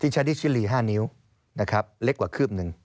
ชาดิชิลี๕นิ้วนะครับเล็กกว่าคืบหนึ่ง